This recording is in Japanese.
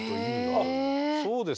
あっそうですか。